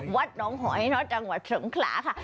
วัดน้องหอยนท์จังหวัดแฉริงคราค่ะ